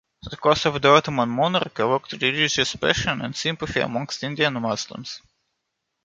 The cause of the Ottoman monarch evoked religious passion and sympathy amongst Indian Muslims.